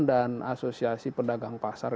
dan asosiasi pedagang pasar